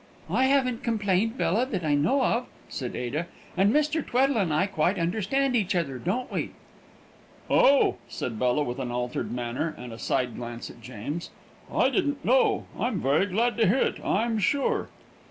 "I haven't complained, Bella, that I know of," said Ada. "And Mr. Tweddle and I quite understand each other, don't we?" "Oh!" said Bella, with an altered manner and a side glance at James, "I didn't know. I'm very glad to hear it, I'm sure."